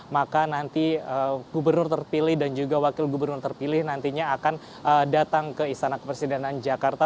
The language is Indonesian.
maka nanti gubernur terpilih dan juga wakil gubernur terpilih nantinya akan datang ke istana kepresidenan jakarta